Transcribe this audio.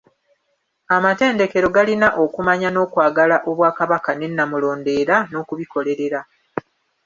Amatendekero galina okumanya n’okwagala Obwakabaka ne Namulondo era n’okubikolerera.